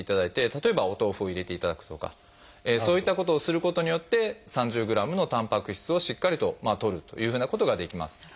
例えばお豆腐を入れていただくとかそういったことをすることによって３０ｇのたんぱく質をしっかりととるというふうなことができます。